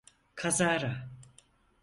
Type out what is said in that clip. Kazara.